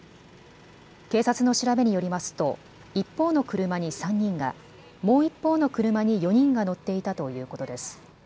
警察の調べによりますと一方の車に３人が、もう一方の車に４人が乗っていたということです。